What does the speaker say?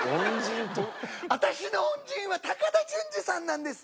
私の恩人は高田純次さんなんです。